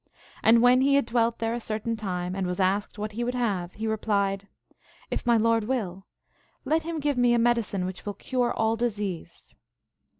And when he had dwelt there a certain time, and was asked what he would have, he replied, " If my lord will, let him give me a medicine which will cure all dis ease."